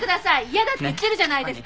嫌だって言ってるじゃないですか。